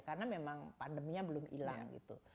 karena memang pandeminya belum hilang gitu